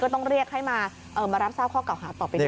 ต้องเรียกให้มารับทราบข้อเก่าหาต่อไปด้วย